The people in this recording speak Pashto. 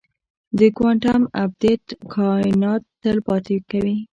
د کوانټم ابدیت کائنات تل پاتې کوي.